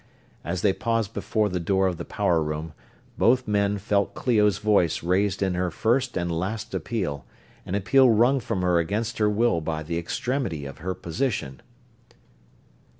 As they paused before the door of the power room, both men felt Clio's voice raised in her first and last appeal, an appeal wrung from her against her will by the extremity of her position.